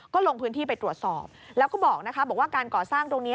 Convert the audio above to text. ก็ลงพื้นที่ไปตรวจสอบแล้วก็บอกนะคะบอกว่าการก่อสร้างตรงนี้